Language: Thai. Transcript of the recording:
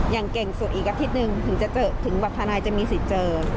อย่างเก่งสุดอีกอาทิตย์หนึ่งถึงจะเจอถึงแบบทนายจะมีสิทธิ์เจอ